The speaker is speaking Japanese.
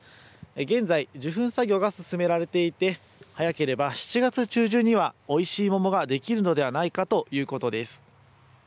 現在、受粉作業が進められていて早ければ７月中旬にはおいしい桃ができるのではないかということです。